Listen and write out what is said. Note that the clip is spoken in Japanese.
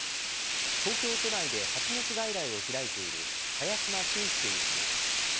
東京都内で発熱外来を開いている萱嶋信介医師です。